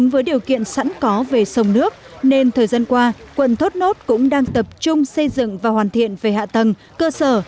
với điều kiện sẵn có về sông nước nên thời gian qua quận thốt nốt cũng đang tập trung xây dựng và hoàn thiện về hạ tầng cơ sở